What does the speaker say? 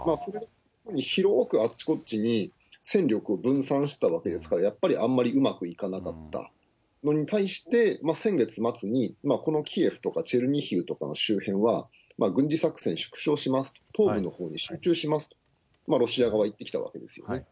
広くあちこちに戦力を分散したわけですから、やっぱりあんまりうまくいかなかったのに対して、先月末にこのキーウとかチェルニヒウとかの周辺は、軍事作戦縮小します、東部のほうに集中しますと、ロシア側は言ってきたわけですよね。